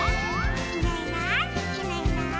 「いないいないいないいない」